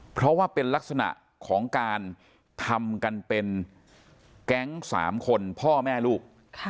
เพราะว่าเป็นลักษณะของการทำกันเป็นแก๊ง๓คนพ่อแม่ลูก